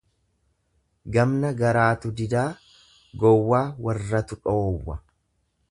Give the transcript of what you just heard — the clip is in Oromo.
Gamna garaatu didaa, gowwaa warratu dhoowwa.